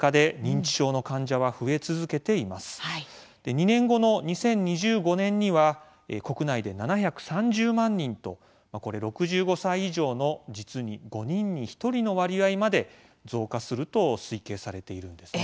２年後の２０２５年には国内で７３０万人とこれ６５歳以上の実に５人に１人の割合まで増加すると推定されているんですね。